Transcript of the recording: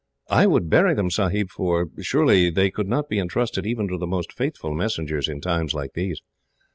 I would bury them, Sahib, for surely they could not be entrusted even to the most faithful messengers, in times like these.